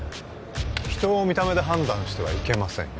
人を見た目で判断してはいけませんよ